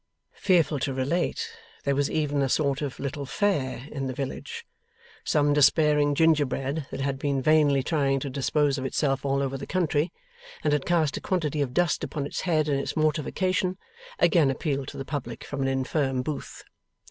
Fearful to relate, there was even a sort of little Fair in the village. Some despairing gingerbread that had been vainly trying to dispose of itself all over the country, and had cast a quantity of dust upon its head in its mortification, again appealed to the public from an infirm booth.